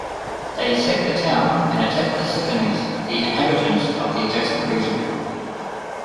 They sack the town, and attack the Cicones, the inhabitants of the adjacent region.